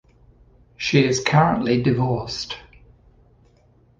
She is currently divorced.